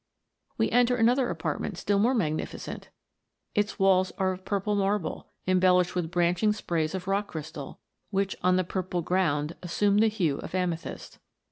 "We enter another apartment still more magni ficent. Its walls are of purple marble, embellished with branching sprays of rock crystal, which, on the purple ground, assume the hue of the amethyst.